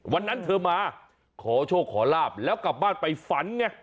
วันนั้นเธอมาขอโชคขอลาบแล้วกลับบ้านไปฝันไง